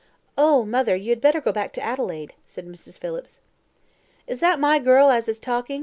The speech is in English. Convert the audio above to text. Oh, mother, you had better go back to Adelaide!" said Mrs. Phillips. "Is that my girl as is talking?"